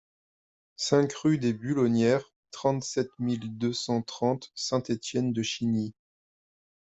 cinq rue des Bulonnières, trente-sept mille deux cent trente Saint-Étienne-de-Chigny